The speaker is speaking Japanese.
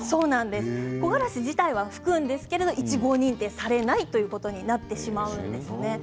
木枯らし自体は吹くんですが１号認定されないということになってしまうんですね。